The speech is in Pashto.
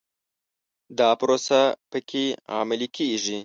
دا پروسه په کې عملي کېږي.